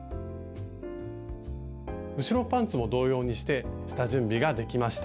後ろパンツも同様にして下準備ができました。